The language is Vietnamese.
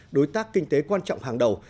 đối tác kinh tế quan trọng hàng đầu